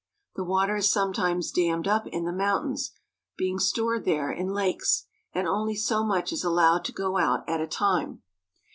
The water is sometimes dammed up in the mountains, being stored there in lakes, and only so much is allowed to go out at a time.